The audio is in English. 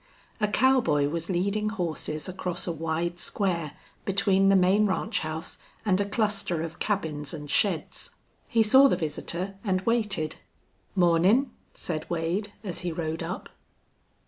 A cowboy was leading horses across a wide square between the main ranch house and a cluster of cabins and sheds. He saw the visitor and waited. "Mornin'," said Wade, as he rode up.